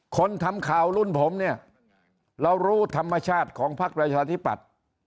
คนทำข่าวรุ่นผมเนี่ยเรารู้ธรรมชาติของพักประชาธิปัตย์